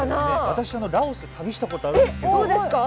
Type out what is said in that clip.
私ラオス旅したことあるんですけど。